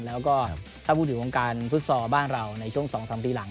ถ้าพูดถึงโครงการฟุตซอร์บ้านเราในช่วง๒๓ปีหลัง